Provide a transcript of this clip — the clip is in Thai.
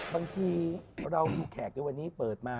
บางทีเราดูแขกในวันนี้เปิดมา